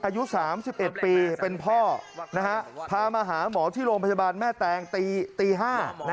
อายุ๓๑ปีเป็นพ่อพามาหาหมอที่โรงพยาบาลแม่แตงตี๕